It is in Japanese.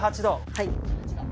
はい。